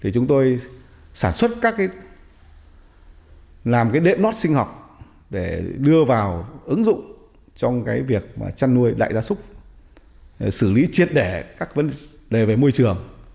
chúng tôi sản xuất các đệm lót sinh học để đưa vào ứng dụng trong việc chăn nuôi đại gia súc xử lý triệt đẻ các vấn đề về môi trường